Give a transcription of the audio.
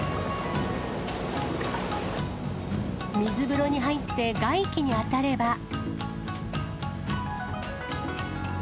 水風呂に入って外気に当たれば。